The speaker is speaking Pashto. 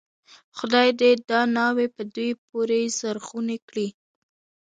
خدای دې دا ناوې په دوی پورې زرغونه کړي.